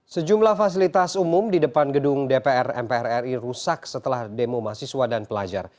sejumlah fasilitas umum di depan gedung dpr mpr ri rusak setelah demo mahasiswa dan pelajar